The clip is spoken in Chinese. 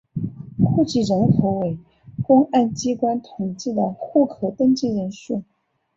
户籍人口为公安机关统计的户口登记人数。